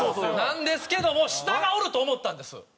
なんですけども下がおると思ったんです。